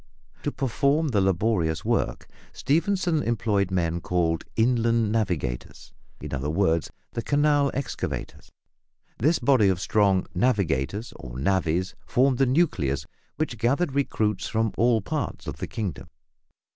To perform the laborious work, Stephenson employed the men called "inland navigators," in other words, the canal excavators. This body of strong "navigators" or "navvies" formed the nucleus, which gathered recruits from all parts of the kingdom.